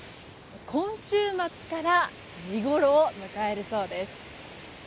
今週末から見ごろを迎えるそうです。